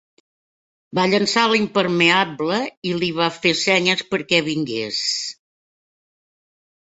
Va llençar l'impermeable i li va fer senyes perquè vingués.